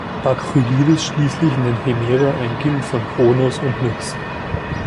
Bakchylides schließlich nennt Hemera ein Kind von Kronos und Nyx.